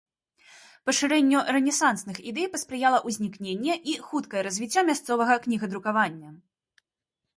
Пашырэнню рэнесансных ідэй паспрыяла ўзнікненне і хуткае развіццё мясцовага кнігадрукавання.